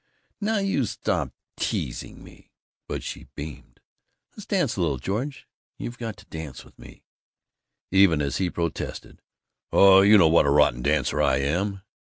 "Now, you stop teasing me!" But she beamed. "Let's dance a little. George, you've got to dance with me." Even as he protested, "Oh, you know what a rotten dancer I am!"